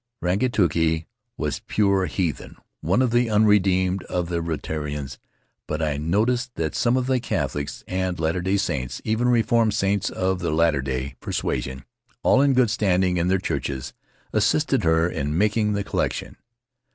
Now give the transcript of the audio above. Rangituki was pure heathen, one of the unredeemed of the Rutiaroans, but I noticed that some of the Catholics and Latter Dav Saints, even the Reformed Saints of the later Latter Day persuasion, all in good standing in their churches, assisted her in making the collection.